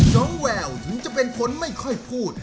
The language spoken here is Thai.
แววถึงจะเป็นคนไม่ค่อยพูด